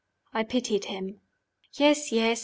I pitied him. Yes, yes!